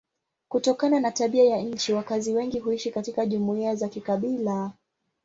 Kutokana na tabia ya nchi wakazi wengi huishi katika jumuiya za kikabila.